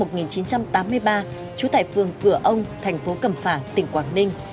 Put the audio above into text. trú tại phường cửa ông thành phố cầm phà tỉnh quảng ninh